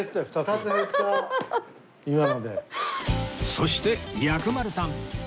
そして薬丸さん